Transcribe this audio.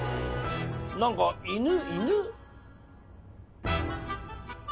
何か犬？